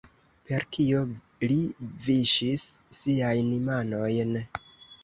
Per kio li viŝis siajn manojn?